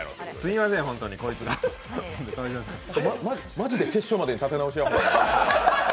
まじで決勝までに立て直しや。